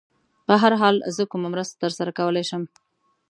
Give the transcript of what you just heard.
په هر حال، زه کومه مرسته در سره کولای شم؟